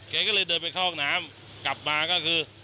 แกก็เลยเดินไปเข้าห้องน้ำกลับมาก็คือ